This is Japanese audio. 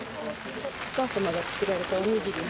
お母さまが作られたおにぎりを？